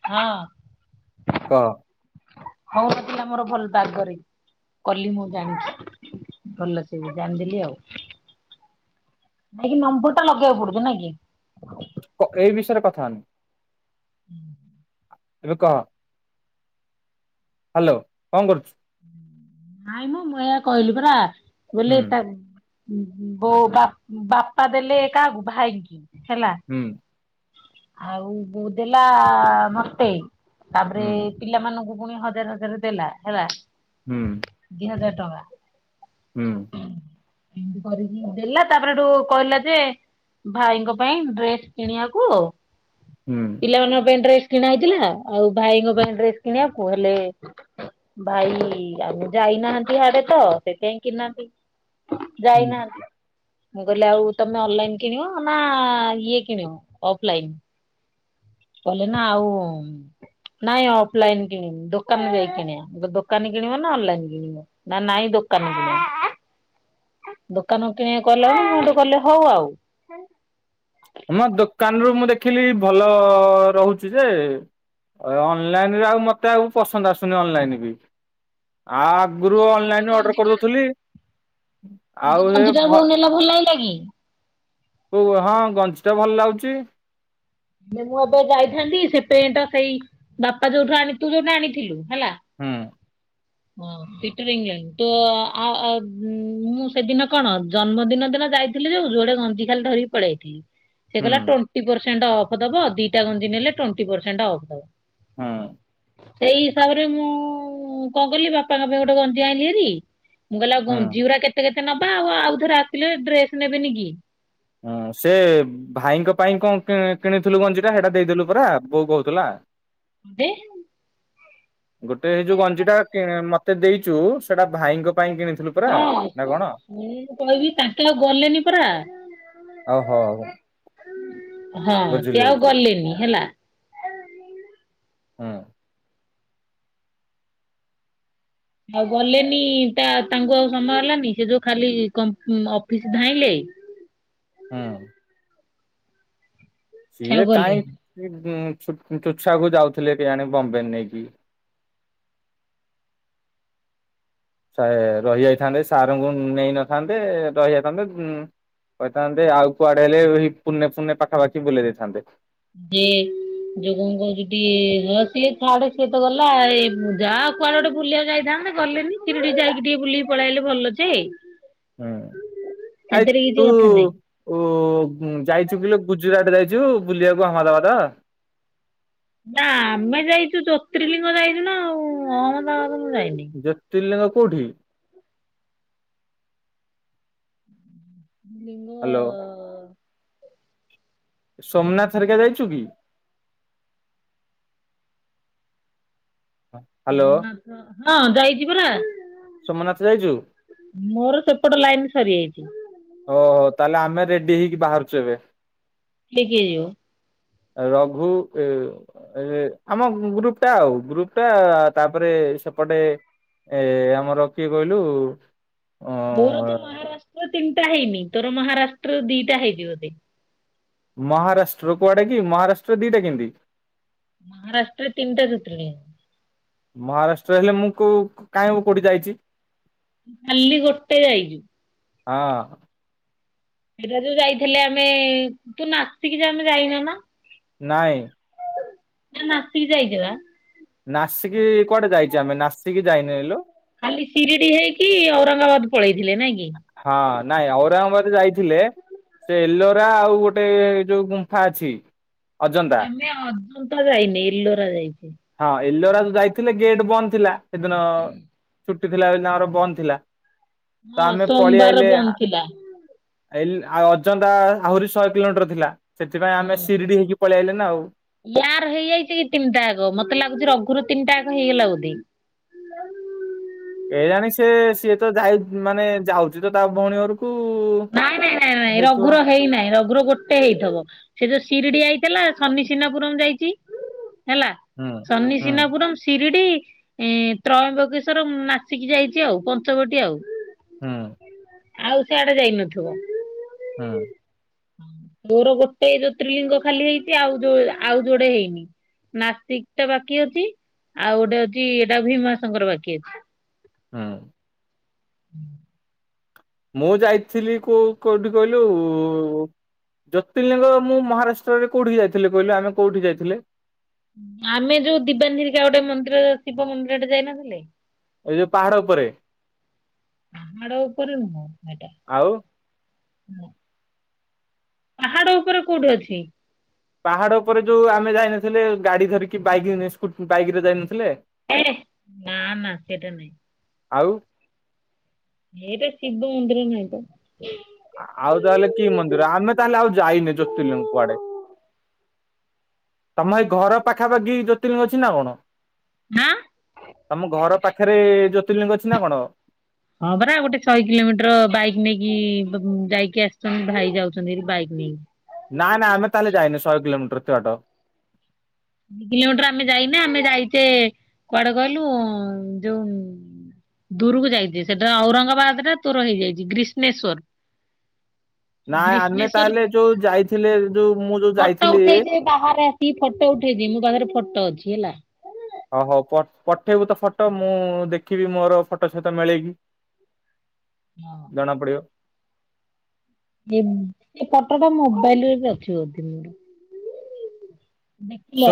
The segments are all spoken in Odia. ହଁ। କହ। ହଉ ଏଠି ଆମର ଭଲ ପାଗରେ। କଲି ମୁଁ ଜାଣିଛି। ଭଲସେ ଜାଣିଦେଲି ଆଉ। ନେଇକି ନମ୍ବରଟା ଲଗେଇବାକୁ ପଡୁଛି ନାଇଁ କି? ଏଇ ବିଷୟରେ କଥା ହନି। ଉଁ ହୁଁ। ଏବେ କହ। ହ୍ୟାଲୋ କଣ କରୁଛୁ? ନାଇଁ ମ ମୁଁଁ ଏଇଆ କହିଲି ପରା ବୋଲି ହୁଁ ତା ବୋଉ ବାପ ବାପା ଦେଲେ କାହାକୁ ଭାଇକି ହେଲା। ହୁଁ। ଆଉ ବୋଉ ଦେଲା ମତେ। ତାପରେ ହୁଁ ପିଲାମାନଙ୍କୁ ପୁଣି ହଜାର ହଜାର ଦେଲା ହେଲା। ହୁଁ। ଦି ହଜାର ଟଙ୍କା। ହୁଁ। ଏମତି କରିକି ଦେଲା ତାପରେଠୁ କହିଲା ଯେ ଭାଇଙ୍କ ପାଇଁ ଡ୍ରେସ କିଣିବାକୁ। ହୁଁ। ପିଲାମାନଙ୍କ ପାଇଁ ଡ୍ରେସ କିଣା ହେଇଥିଲା। ଆଉ ଭାଇଙ୍କ ପାଇଁ ଡ୍ରେସ୍ କିଣିବାକୁ ହେଲେ ଭାଇ ଯାଇନାହାନ୍ତି ହାଡେ ତ ସେଇଥିଇଁ କିଣିନାହାନ୍ତି ହୁଁ ଯାଇନାହାନ୍ତି। ମୁଁ କହିଲି ଆଉ ତମେ ଅନଲାଇନ କିଣିବ। ନା ଇଏ କିଣିବ ଅଫଲାଇନ। କଲେ ନା ଆଉ ନାଇଁ ଅଫଲାଇନ କିଣିବି। ଦୋକାନ ଯାଇ କିଣିବା। ଦୋକାନ କିଣିବ ନା ଅନଲାଇନ କିଣିବ। ନା ନାହିଁ ଦୋକାନରେ କିଣିବି। ଦୋକାନ କିଣିକ କଲାଣି ମୁଁ ତ କଲେ ହଉ ଆଉ। ମୋ ଦୋକାନରୁ ମୁଁ ଦେଖିଲି ଭଲ ରହୁଛି ଯେ। ଅନଲାଇନ ଆଉ ମୋତେ ଆଉ ପସନ୍ଦ ଆସୁନି। ଅନଲାଇନ ବି। ଆ ଗରୁ ଯୋଉ ଅନଲାଇନ ଅର୍ଡର ଗଞ୍ଜିଟା କରିଦେଉଥିଲି। ଯୋଉ ଆଉ ଏ ଗଞ୍ଜିଟା ଭଲ ବୋଉ ନେଲା ଲାଗିଲା କି? କ ହଁ ଗଞ୍ଜି ଟା ଭଲ ଲାଗୁଛି। ମୁଁ ଏବେ ଯାଇଥାନ୍ତି ସେପଟା ସେଇ ବାପା ଯୋଉଠୁ ଆଣିଥିଲୁ ଯୋଉଠି ଆଣିଥିଲୁ ହେଲା। ହୁଁ ହଁ ତ ଆଉ ମୁଁ ସେଦିନ କଣ ଜନ୍ମଦିନ ଦିନ ଯାଇ ଥିଲେ ଯୋଉ ଯୋଆଡେ ଗଞ୍ଜି ଖାଲି ଧରିକି ପଳେଇଥିଲି। ସେ ହୁଁ କହିଲ ଟୁଇଣ୍ଟି ଅଫ୍ ଦବା ଦିଟା ଗଞ୍ଜି ନେଲେ ଟୁଇଣ୍ଟି ଅଫ ଦ- ହଁ ସେଇ ହିସାବରେ ମୁଁ କଣ କଲିି ବାପାଙ୍କ ପାଇଁ ଗୋଟେ ଗଞ୍ଜି ଆଣିଲି ହେରି। ମୁଁ କହିଲି ହୁଁ ଆଉ କେତେ କେତେ ନବା ଆଉ ଆଉ ଥର ଆସିଲେ ଡ୍ରେସ ନେବେନି କି? ହୁଁ ସେ- ଭାଇଙ୍କ ପାଇଁ କଣ କିଣିଥିଲୁ ଗଞ୍ଜି ଟା, ସେଇଟା ଦେଇଲୁ ପୁରା ବୋଉ କହୁଥିଲା। କଦି [inaudible] ଗୋଟେଇ ଯୋଉ ଗଞ୍ଜି ଟା ମତେ ଦେଇଛୁ। ସେଟା ଭାଇଙ୍କ ପାଇଁ କିଣିଥିଲୁ। ପରା ହଁ ନା କଣ? ମୁଁ କହିବି ତାଙ୍କେ ଆଉ ଗଲେନି ପରା। ଓଉହୋ ହଉ ହଁ ସେ ଆଉ ଗଲେନି ହେଲା। ହଁ ଆଉ ଗଲେନି ତା ତାଙ୍କୁ ଆଉ ସମୟ ହେଲାନି ସେ ଯୋଉ ଖାଲି ଅଫିସ ଧାଇଁଲେ। ହଁ ସେ ଆଉ ସିଏ କାହିଁ ଗଲେନି ଚୁଚଛାକୁୁ ଯାଉଥିଲେ କେହି ଆଣେ ବମ୍ବେରେ ନେଇକି। ସେ ରହିଯାଇଥାନ୍ତେ ସାରଙ୍କୁ ନେଇନଥାନ୍ତେ ରହିଯାଇଥାନ୍ତେ। କହିଥାନ୍ତେ ଆଉ କୁଆଡେ ହେଲେ ପୁନେ ପୁର୍ଣେ ପାଖାପାଖି ବୁେଇ ଦେଇେଇଥାନ୍ତେ। ଯେ ଯୋଉ କଣ କହୁଛି ଟିକେ ହ ସଏ ଥଡେ ସିଏ ତ ଗଲା ଏ ଯା କୁଆଡ ଗୋଟେ ବୁଲିବା ଯାଇଥାନ୍ତତା ଗଲେନି ତିରି ଟିକେ ଯକି ଟିକେ ବୁଲିକି ପଳେଇଲେ ଭଲ ଅଛେ। ହୁଁ ଆ ତୁ ନାହିଁ। ଓ ଯାଇଛୁ କିଲ ଗୁଜୁରାଟ ଯାଇଛୁ ବୁଲିବାକୁ ଆ ଅହମଦାବାଦ। ନା ଆମେ ଯାଇଛୁ ଜ୍ୟୋତିର୍ଲିଙ୍ଗ ଯାଇଛୁ ନା ଆଉ। ଅହମ୍ମଦାବାଦରୁ ଯାଇନି। ଜ୍ୟୋତିର୍ଲିଙ୍ଗ କୋଉଠି? ନିମ [inaudible] ହ [inaudible] ସୋମନାଥ ହେରିକା ଯାଇଛୁ କି? ହ୍ୟାଲୋ। ସୋମନାଥ ହଁ ଯାଇଛି ପରା। ସୋମନାଥ ଯାଇଛୁ? ମୋର ସେପଟ ଲାଇନ ସରିଯାଇଛି। ଓ ହଉ ତାହେଲେ ଆମେ ରେଡି ହେଇକି ବାହାରୁଛୁ ଏବେ। କିଏ କିଏ ଯିବ? ରଘୁ ଏ- ଏ ଆମ ଗ୍ରୁପ ଟା ଆଉ ଗ୍ରୁପ ଟା ତାପରେ ସେପଟେ- ଏ ଆମର କିଏ କହିଲୁ- ଅ ମୋର ତ ମହାରାଷ୍ଟ୍ର ତିନିଟା ହେନି। ତୋର ମହାରାଷ୍ଟ୍ର ଦିଇଟା ହେ ଦିବ ମହାରାଷ୍ଟ୍ର କୁଆଡା କି ମହାରାଷ୍ଟ୍ର ଦିଟା କେମିତି? ମହାରାଷ୍ଟ୍ରରେ ତିନିଟା ସୁତଣି [unintelligible] ମହାରାଷ୍ଟ୍ର ହେଲେ ମୁଁ କଉ କାହିଁ କଉଠି ଯାଇଛି। କାଲି ଗୋଟେ ଯାଇଛୁ। ହଁ ସେଇଟା ଯୋଉ ଯାଇଥିଲେ ଆମେ ତୁ ନାସିକି ଯେ ଆମେ ଯାଇନ ନା। ନହିଁ। ନାସିକ ଯାଇଯିବା। ନାସିକି କୁଆଡେ ଯାଇଚେ ଆମେ ନାସିକି ଯାଇନେ ଲୋ। ଖାଲି ସିରିଡି ହେଇକି ଔରଙ୍ଗାବାଦ ପଳେଇଥିଲେ ନାଇଁ କି। ହଁ ନାଇଁ ଔରଙ୍ଗାବାଦ ଯାଇଥିଲେ। ସେ ଏଲୋରା ଆଉ ଗୋଟେ ଯୋଉ ଗୁମ୍ଫା ଅଛି ଅଜନ୍ତା। ନାଇଁ ଅଜନ୍ତା ଯାଇନେ ଏଲୋରା ଯାଇଚେ। ହଁ ଏଲୋରା ଯୋଉ ଯାଇଥିଲେ ଗେଟ ବନ୍ଦ ଥିଲା ସେଦିନ। ଛୁଟି ଥିଲା ବୋଲି ତଙ୍କର ବନ୍ଦ ଥିଲା ତ ହଁ ଆମେ ପଳେଇ ସୋମବାର ଆଇଲେ ଆ ବନ୍ଦ ଥିଲା। ଏଲ ଆଉ ଅଜନ୍ତା ଆହୁରି ଶହେ କିଲୋମିଟର ଥିଲା ସେଥିପାଇଁ ଆମେ ହଁ ସିରିଡି ହେଇକି ପଳେଇ ଆଇଲେ ନା ଆଉ। ୟାର ହେଇଯାଇଛି କି ତିନିଟା ଆକ ମତେ ଲାଗୁଚି ରଘୁର ର ତିନିଟା ଆକ ହେଇଗଲା ବୋଧେ। କେଇଜାଣି ସେ ସିଏ ତ ଯାଏ ମାନେ ଯାଉଛି ତ ତା ଭୋଉଣୀ ଘର ନାଇଁ ନାଇଁ ନାଇଁ ନାଇଁ ରଘୁର ହେଇ ନାଇଁ ରଘୁ ର ଗୋଟେ ହେଇଥବ ସେ ଯୋଉ ସିରିଡି ଆଇଥେଲା ଶନିସିନାପୁରମ୍ ଯାଇଛି ହେଲା। ହୁଁ। ହୁଁ ଶନିସିନାପୁରମ୍ ସିରିଡି। ଏଁ ତ୍ରୟମ୍ବକେଶ୍ଵରମ୍ ନାସିକି ଯାଇଚି ଆଉ ପଞ୍ଚବଟିୀ ଆଉ। ହୁଁ। ଆଉ ସେଆଡେ ଯାଇନଥୁବ। ହୁଁ। ମୋରୋ ଗୋଟେ ଜ୍ୟୋତିର୍ଲିଙ୍ଗ ଖାଲି ହେଇଚି ଆଉ ଯୋ ଆଉ ଯୋଡେ ହେଇନି। ନାସିକ ଟା ବାକି ଅଛି ଆଉ ଗୋଟେ ଅଛି ଏଟା ଭୀମାଶଙ୍କର ବାକି ଅଛି। ହୁଁ। [unintelligible] ମୁଁ ଯାଇଥିଲି କୋଉ କୋଉଠି କହିଲୁ ଉଁ ଜ୍ୟୋତିର୍ଲିଙ୍ଗ ମୁଁ ମହାରାଷ୍ଟ୍ରରେ କୋଉଠିକି ଯାଇଥିଲି କହିଲୁ ଆମେ କୋଉଠି ଯାଇଥିଲେ। ଆମେ ଯୋଉ ଦିବାନି ହେରିକା ଗୋଟେ ମନ୍ଦିର ଶିବ ମନ୍ଦିରଟେ ଯାଇନଥିଲେ। ଏଇ ଯୋଉ ପାହାଡ ଉପରେ। ପାହାଡ଼ ଉପରେ ନୁହଁ ହେଟା। ଆଉ ପାହାଡ ଉପରେ କୋଉଠି ଅଛି। ପାହାଡ ଉପରେ ଯୋଉ ଆମେ ଯାଇନଥିଲେ ଗାଡି ଧରିକି ବାଇକ ରେ ସ୍କୁ ବାଇକରେ ଯାଇନଥିଲେ। ନା ନା ସେଟା ନାଇଁ। ଆଉ ହେଇଟା ଶିବ ମନ୍ଦିର ନାହିଁ ତ। ଆଉ ତାହେଲେ କି ମନ୍ଦିର ଆମେ ତାହେଲେ ଆଉ ଯାଇନି ଜ୍ୟୋତିଲିଙ୍ଗ କୁଆଡେ? ତମ ହେଇ ଘର ପାଖାପାଖି ଜ୍ୟୋତିର୍ଲିଙ୍ଗ ଅଛି ନା କଣ? ଆଁ ତମ ଘର ପାଖେରେ ଜ୍ୟୋତିର୍ଲିଙ୍ଗ ଅଛି ନା କଣ? ହଁ ପରା ଗୋଟେ ଶହେ କିଲୋମିଟର ବାଇକ୍ ନେଇକି ଯାଇକି ଆସିଛନ୍ତି ଭାଇ ଯାଉଛନ୍ତି ହେରି ବାଇକ୍ ନେଇ ନାଁ ନାଁ ଆମେ ତାହେଲେ ଯାଇନେ ଶହେ କିଲୋମିଟର ଏତେବାଟ। [unintelligible] କିଲୋମିଟର ଆମେ ଯାଇନେ ଆମେ ଯାଇଚେ କୁଆଡେ କହିଲୁ ଯୋଉ ଦୂରୁକୁ ଯାଇଚେ ସେଟା ଔରଙ୍ଗାବାଦ ରେ ତୋର ହେଇଯାଇଚି ଗ୍ରିସ୍ନେଶ୍ଵର। ନାଇଁ ଆମେ ତାହେଲେ ଯୋଉ ଯାଇଥିଲେ ଯୋଉ ମୁଁ ଯୋଉ ଫଟୋ ଯାଇଥିଲି। ଉଠେଇଛି ବାହାରେ ଆସିକି ଫଟ ଉଠେଇଛି ମୋ ପାଖେରେ ଫଟ ଅଛି ହେଲା। ହ ହୋଉ ପ ପଠେଇବୁ ତ ଫଟ ମୁଁ ଦେଖିବି ମୋରୋ ଫଟ ସହିତ ମିଳେଇକି। ହଁ। ଜଣା ପଡିବ। [unintelligible] ଫଟଟା ମୋବାଇଲରେ ବି ଅଛି ବୋଧେ ମୋରୋ।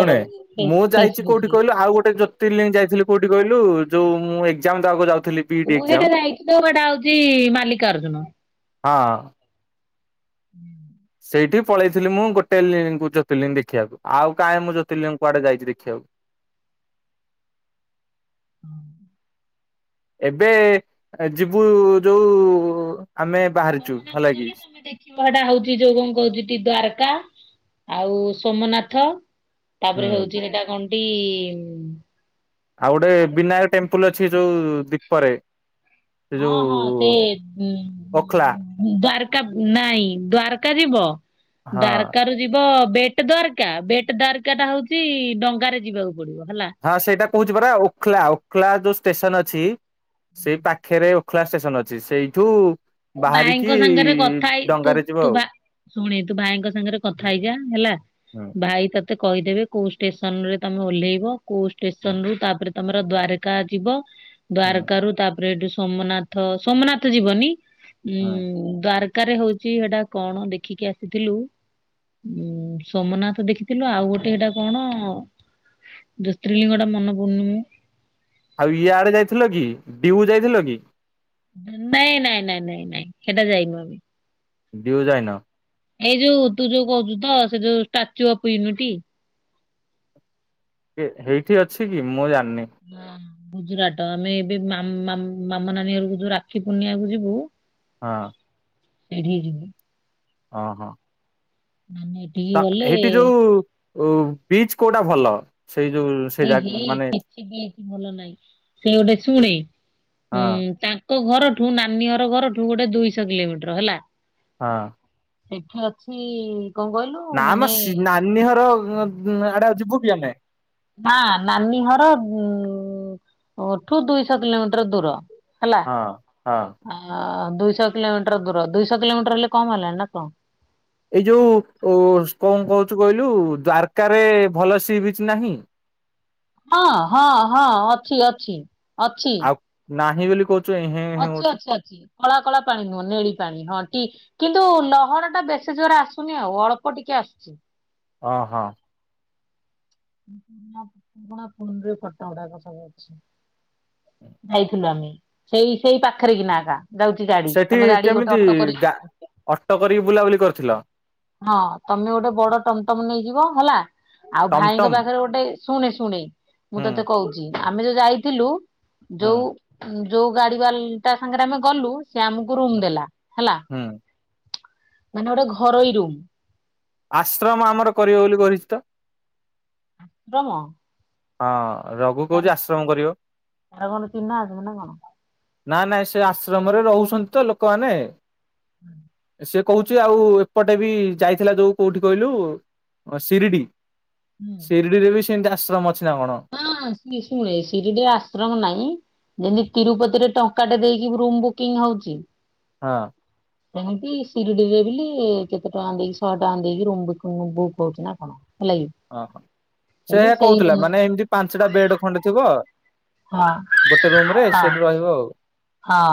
ହବ ଫେସ୍ ମୁଁ ଯାଇଚି ଫେସବୁକ କୋଉଠି ରେ। କହିଲୁ ଆଉ ଗୋଟେ ଯୋ ତିର୍ଲିଙ୍ଗ ଯାଇଥିଲି କୋଉଠି କହିଲୁ ଯୋଉ ମୁଁ ଏକ୍ସାମ୍ ଦେବାକୁ ଯାଉଥୁଲି। ମୁଁ ସେଟା ଯାଇଚି ତ [unintelligible] ହୋଉଚି ମାଲିକାର୍ଜୁନ। ହଁ। ହୁଁ ହୁଁ। ସେଇଠି ପଳେଇଥିଲି ମୁଁ ଗୋଟେ ଲିଙ୍କୁ ଜୋତିଲିଙ୍ଗ ଦେଖିବାକୁ, ଆଉ କାଁ ମୁଁ ଜୋତିଲିଙ୍ଗ କୁଆଡେ ଯାଇଛି ଦେଖିବାକୁ? ହୁଁ। ଏବେ ଯିବୁ ଯୋଉ ଆମେ ବାହାରିଛୁ ହେଲା କି? ଏ ଡା ହଉଛି ଯୋଉ କଣ କହିଲୁ ହଉଛି ଦ୍ଵାରକା ଆଉ ସୋମନାଥ। ତାପରେ ହୁଁ ହଉଛି ସେଟା କଣଟି? ଆଉ ଗୋଟେ ବିନାୟକ ଟେମ୍ପୁଲ ଅଛି ଯୋଉ ଦ୍ୱୀପ ରେ। ହଁ ହଁ ସେ ଉଁ ଉଁ ଓଖଲା ଉଁ। ଦ୍ଵାରକା ନାଇଁ ଦ୍ଵାରକା ଯିବ ହଁ ଡାରକା ରୁ ଯିବ ବେଟ ଦ୍ୱାରକା ବେଟ୍ ଦ୍ୱାରକା ଟା ହଉଛି ଡଙ୍ଗାରେ ଯିବାକୁ ପଡିବ ହେଲା। ହଁ ସେଇଟା କହୁଛି ପରା ଓଖଲା ଓଖଲା ଯୋଉ ଷ୍ଟେସନ ଅଛି ସେଇ ପାଖରେ। ଓଖଲା ଷ୍ଟେସନ ଅଛି, ସେଇଠୁ ତୁ ଭାଇଙ୍କ ବାହାରିକି ସାଙ୍ଗରେ କଥା ହେଇ ତୁ ଡଙ୍ଗାରେ ଯିବ ତୁ ଆଉ। ଭା ଶୁଣେ ତୁ ଭାଇଙ୍କ ସାଙ୍ଗରେ କଥା ହେଇଯା ହେଲା, ହୁଁ ଭାଇ ତ ତେ କହିଦେବେ କୋଉ ଷ୍ଟେସନ ରେ ତମେ ଓହ୍ଲେଇବ କୋଉ ହୁଁ ଷ୍ଟେସନ ରୁ ତାପରେ ତମର ଦ୍ୱାରକା ଯିବ ହୁଁ ଦ୍ୱାରକା ରୁ ତାପରେ ଏଠି ସୋମନାଥ ସୋମନାଥ ଯିବନି। ଉଁ ହୁଁ। ଦ୍ଵାରକାରେ ହଉଛି ହେଟା କଣ ଦେଖିକି ଆସିଥିଲୁ? ଉଁ ସୋମନାଥ ଦେଖିଥିଲୁ। ଆଉ ଗୋଟେ ଏଇଟା କଣ? ଜ୍ୟୋତିର୍ଲିଙ୍ଗ ଟା ମନ ପଡନି ମ। ଆଉ ୟାଡେ ଆଡେ ଯାଇଥିଲ କି ଡିଉ ଯାଇଥିଲ କି? ନାଇଁ ନାଇଁ ନାଇଁ ନାଇଁ ନାଇଁ ହେଟା ଯାଇନୁ ଆମେ। ଡିଉ ଯାଇନ? ଏଇ ଯୋଉ ତୁ ଯୋଉ କହୁଛୁ ତ ସେ ଯୋଉ ଷ୍ଟାଚୁ ଅଫ ୟୁନିଟୀ? ହେ ହେଇଠି ଅଛି କି ମୁଁ ଜାଣିନି। ହଁ। ଗୁଜୁରାଟ ଆମେ ଏବେ ମାମ ମାମ ମାମା ନାନୀ ଘରକୁ ଯୁ ରାକ୍ଷୀ ପୂର୍ଣ୍ଣିଆକୁୁ ଯିବୁ। ହଁ। ସେଇଠି କି ଯିବୁ। ହଁ ହଁ। [unintelligible] ତା ହେଟି ଯୋଉ ଉ ପିଚ କୋଉଟା ଭଲ? ସେଇ ଯୋଉ ସେ ଇ ଯା ହି ମାନେ କିଛି ବି ଏ ଭଲ ନହିଁ। ସେ ଗୋଟେ ଶୁଣେ ହଁ ଉଁ ତା ଘରଠୁ ନାନୀ ଘର ଘରଠୁ ଗୋଟେ ଦୁଇଶହ କିଲୋମିଟର ହେଲା। ହଁ। ଏଠି ଅଛି କଣ କହିଲୁ? ନା ଆମ ମାନେ ସି ନାନୀ ଘର ଅ ଉଁ ଆଡେ ଆଉ ଯିବୁ କି ଆମେ? ହ ନାନୀ ଘର ଉଁଠୁ ଦୁଇଶହ କିଲୋମିଟର ଦୂର। ହେଲା। ହଁ ହଁ। ଆ ଦୁଇଶହ କିଲୋମିଟର ଦୂର ଦୁଇଶହ କିଲୋମିଟର ହେଲେ କମ ହେଲାଣି ନା କଣ? ଏଇ ଯୋଉ ଓ କଣ କହୁଛୁ କହିଲୁ ଦ୍ୱାରକା ରେ ଭଲ ସି ବିଚ ନାହିଁ? ହଁ ହଁ ହଁ ଅଛି ଅଛି। ଅଛି। ଆଉ ନାହିଁ ବୋଲି କହୁଛି? ଅଛି ଅଛି ଅଛି କଳା କଳା ପାଣି ନୁହଁ ନେଳି ପାଣି ହଁ ଟିକ। କିନ୍ତୁ ଲହଢ଼ ଟା ବେଶୀ ଜୋର ଆସୁନି ଆଉ ଅଳ୍ପ ଟିକେ ଆସୁଛି। ଓହୋ। ପୁରୁଣା [unintelligible] ଅଛି। ଯାଇଥିଲୁ ଆମେ ସେଇ ସେଇ ପାଖରେ କି ନା ଆକା। ଜାଉଛି ଗା ସେଠି କେମିତି ଗା ଅଟୋ କରିକି ବୁଲାବୁଲି କରୁଥିଲ? ହଁ ତମେ ଗୋଟେ ବଡ ଟମଟମ ନେଇଯିବ ହେଲା। ଆଉ ଭାଇଙ୍କ ଟମଟମ ପାଖରେ ଗୋଟେ ଶୁଣେ ଶୁଣେ ମୁଁ ହୁଁ ତତେ କହୁଛି। ଆମେ ଯୋଉ ଯାଇଥିଲୁ ହୁଁ ଯୋଉ ଯୋଉ ଗାଡି ବାଲ ଟା ସାଙ୍ଗରେ ଆମେ ଗଲୁ ସେ ଆମକୁ ରୁମ ହୁଁ ଦେଲା ହେଲା। ହୁଁ ମାନେ ଗୋଟେ ଘରୋଇ ରୁମ୍। ଆଶ୍ରମ ଆମର କରିବ ବୋଲି କରିଛି ତ ଆଶ୍ରରମ। ହଁ ରଘୁ କହୁଛି ଆଶ୍ରମ କରିବ। ତାର କଣ ଚିହ୍ନା ଅଛନ୍ତି ନା କଣ? ନା ନାଇଁ ସେ ଆଶ୍ରମରେ ରହୁଛନ୍ତି ତ ଲୋକମାନେ। ହୁଁ। ସେ କହୁଛି ଆଉ ଏପଟେ ବି ଯାଇଥିଲା ଯେଉ କେଉଠି କହିଲୁ ସିରିଡ଼ି। ଶିରିଡି ରେ ବି ସେମତି ଆଶ୍ରମ ଅଛି ନା କଣ। ହିଁ ସି ଶୁ ଏ ସିରିଡିରେ ଆଶ୍ରମ ନାହିଁ। ଯେମତି ତିରୁପତି ରେ ଟଙ୍କା ଟେ ଦେଇକି ରୁମ ବୁକିଂ ହଉଛି। ହଁ। ହେମିତି ସିରିଡିରେ ବୋଲି କେତେ ଟଙ୍କା ଦେଇକି ଶହେ ଟଙ୍କା ଦେଇକି ରୂମୁ ବୁକୁ ହଉଛି ନା କଣ। ହେଲା। ଓହୋ ସେୟା ହେଲେ ସେଇ କହୁଥିଲା ରୁମ୍ ମାନେ ଏମିତି ପାଞ୍ଚଟା ବେଡ ଖଣ୍ଡେ ଥିବ। ହଁ ଗୋଟେ ରୁମ ରେ ହଁ ସେଠି ରହିବ ଆଉ। ହଁ।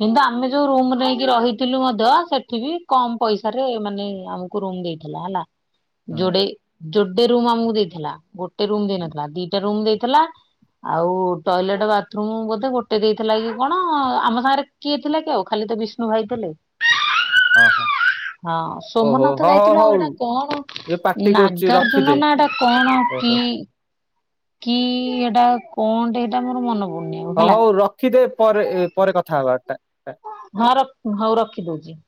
କିନ୍ତୁ ଆମେ ଯୋଉ ରୁମ ନେଇକି ରହିଥିଲୁ ମଧ୍ୟ ସେଠି ବି କମ ପଇସାରେ ମାନେ ଆମକୁ ରୁନୁ ଦେଇଥିଲା ହେଲା ହୁଁ। ଯୋଡେ ଯୋଟେ ରୁମ୍ ଆମକୁ ଦେଇଥିଲା ଗୋଟେ ଗୋଟେ ରୁମ୍ ଦେଇନଥିଲା ଦିଟା ରୁମ୍ ଦେଇଥିଲା ଆଉ ଟଏଲେଟେ ବାଥରୁମୁ ବୋଧେ ଗୋଟେ ଦେଇଥିଲା କି କଣ ଆମ ସାଙ୍ଗରେ କିଏ ଥିଲା କି ଆଉ ଖାଲି ତ ବିଷ୍ଣୁ ଭାଇ ଥିଲେ। ହଁ ହଁ। ହଁ ଓହୋ ସୋମନାଥ ହଁ ହଉ ଯାଇଥିଲୁ ଆଉ ହଉ ଏଇଟା ଇଏ କଣ ପାଟି କରୁଛି ନାଗାର୍ଜୁନ ରଖିଦେ ନାଟା କଣ କି ଓହୋ କି ଏଇଟା କଣ ଟେ ଏଇଟା ମୋର ମନେ ପଡୁନି। ଆଉ ହ ହେଲା ହଉ ରଖିଦେ ପରେ ପରେ କଥା ହବା। ହଁର ହଉ ରଖିଦଉଛି।